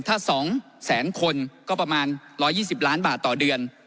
ถ้า๒แสนคนก็ประมาณ๑๒๐ล้านบาทต่อเดือน